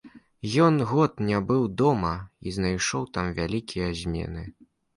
Ён год не быў дома і знайшоў там вялікія змены.